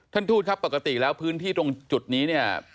ท่านทูตครับปกติแล้วพื้นที่ตรงจุดนี้เนี่ย